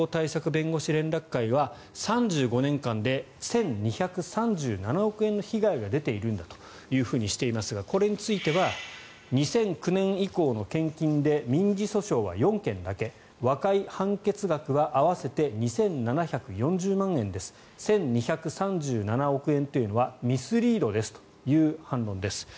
弁護士連絡会は３５年間で１２３７億円の被害が出ているんだとしていますがこれについては２００９年以降の献金で民事訴訟は４件だけ和解・判決額は合わせて２７４０万円です１２３７億円というのはミスリードですという反論です。